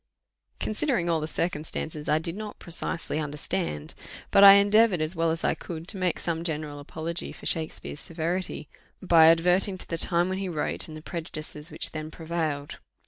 "Considering all the circumstances," I did not precisely understand; but I endeavoured, as well as I could, to make some general apology for Shakspeare's severity, by adverting to the time when he wrote, and the prejudices which then prevailed.